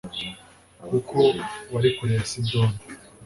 kuko wari kure ya sidoni